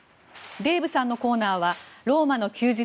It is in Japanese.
デーブさんのコーナーは「ローマの休日」